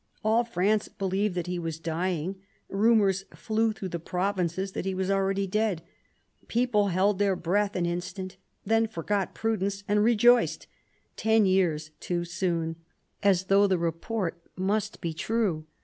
All France believed that he was dying; rumours flew through the provinces that he was already dead. People held their breath an instant, then forgot prudence and rejoiced, ten years too soon, as though the report must be true.